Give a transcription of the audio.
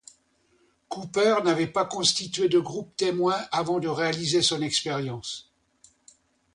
Cooper n'avait pas constitué de groupe témoin avant de réaliser son expérience.